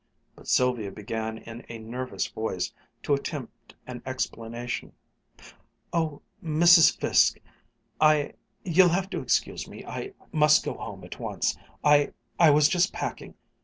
But Sylvia began in a nervous voice to attempt an explanation: "Oh, Mrs. Fiske I you'll have to excuse me I must go home at once I I was just packing.